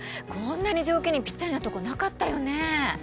こんなに条件にぴったりなとこなかったよね？